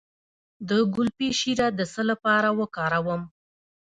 د ګلپي شیره د څه لپاره وکاروم؟